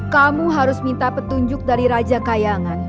kamu harus minta petunjuk dari raja kayangan